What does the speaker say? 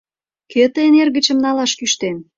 Кӧ тыйын эргычым налаш кӱштен?